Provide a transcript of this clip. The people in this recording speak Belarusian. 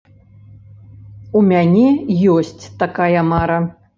У мяне ёсць такая мара.